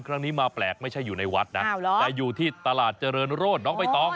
ครั้งนี้มาแปลกไม่ใช่อยู่ในวัดนะแต่อยู่ที่ตลาดเจริญโรธน้องใบตอง